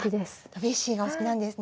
ドビュッシーがお好きなんですね。